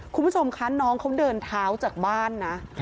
คุณผู้ชมคะน้องเขาเดินเท้าจากบ้านนะ